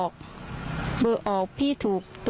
ความปลอดภัยของนายอภิรักษ์และครอบครัวด้วยซ้ำ